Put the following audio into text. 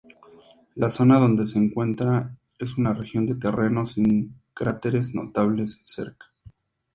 La zona donde se encuentra es una región de terreno sin cráteres notables cerca.